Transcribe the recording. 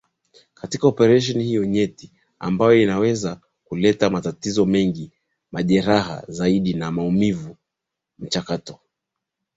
katika oparesheni hiyo nyeti ambayo inaweza kuleta matatizo mengi majeraha zaidi na maumivu Mchakato